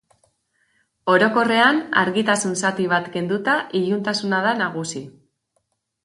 Orokorrean, argitasun zati bat kenduta iluntasuna da nagusi.